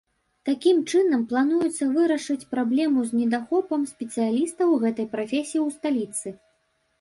Такім чынам плануецца вырашыць праблему з недахопам спецыялістаў гэтай прафесіі ў сталіцы.